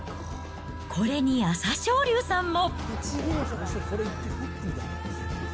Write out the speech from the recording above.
これに朝青龍さんも。